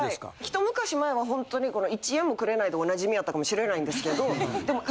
ひと昔前はほんとに１円もくれないでおなじみやったかもしれないんですけどでも。